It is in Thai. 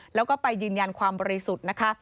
แล้วก็ไปยืนยันความบริสุทธิ์นะคะ